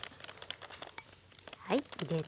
はい入れて。